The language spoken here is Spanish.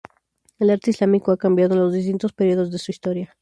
El arte islámico ha cambiado en los distintos períodos de su historia.